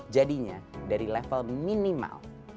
jadinya dari level minimal